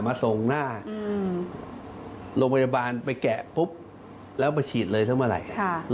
มาส่งหน้าโรงพยาบาลไปแกะปุ๊บแล้วมาฉีดเลยสักเมื่อไหร่